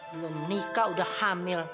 belum nikah udah hamil